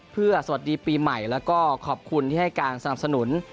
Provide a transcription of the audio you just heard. เพื่อสวัสดีปีใหม่แล้วก็ขอบคุณที่ให้การสนับสนุน